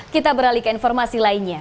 kita beralih ke informasi lainnya